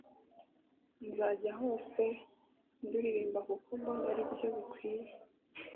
nzajya hose nduririmba kuko mbona ari byo bikwiriye